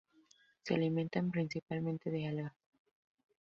Se alimentan principalmente de algas.